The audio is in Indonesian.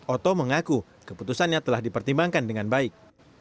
oto mengaku keputusannya telah dipertimbangkan dengan baik